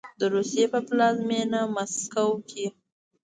د روسیې په پلازمینه مسکو کې